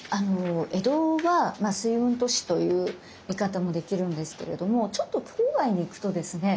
江戸は「水運都市」という見方もできるんですけれどもちょっと郊外に行くとですね